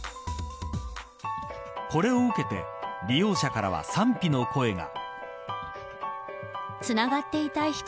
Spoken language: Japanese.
これを受けて利用者からは賛否の声が。